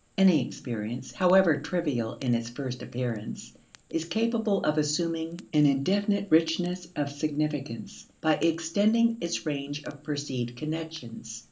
Any experience, however trivial in its first appearance, is capable of assuming an indefinite richness of significance by extending its range of perceived connections.